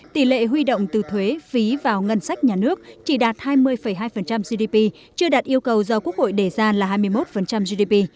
tỷ lệ huy động từ thuế phí vào ngân sách nhà nước chỉ đạt hai mươi hai gdp chưa đạt yêu cầu do quốc hội đề ra là hai mươi một gdp